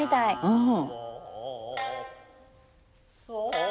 うん。